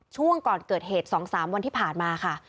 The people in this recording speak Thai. ช่วงก่อนเกิดเหตุ๒๓วันที่ผ่านมาค่ะ